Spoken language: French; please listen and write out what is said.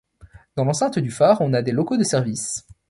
Dans l'enceinte du phare, on a des locaux de service.